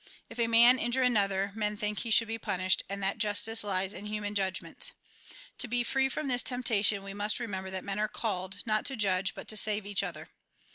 If a man injure another, men think he should be punished, and that justice lies in human judgments. To be free from this temptation, we must remember that men are called, not to judge, but to save each other.